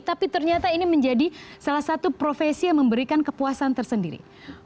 tapi ternyata ini menjadi salah satu profesi yang memberikan kepuasan tersendiri